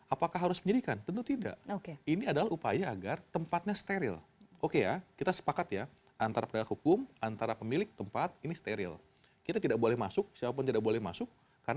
apakah harus penyidikan tentu tidak